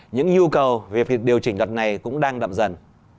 những nhu cầu về việc điều chỉnh luật này cũng đang đậm dần